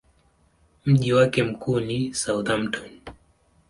Mji wake mkuu ni Southampton.